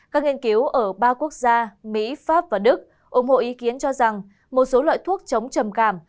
các nghiên cứu ở ba quốc gia mỹ pháp và đức ủng hộ ý kiến cho rằng một số loại thuốc chống trầm cảm